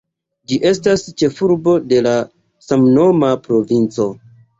Ĝi estas ĉefurbo de la samnoma provinco.